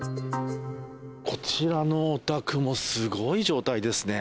こちらのお宅もすごい状態ですね。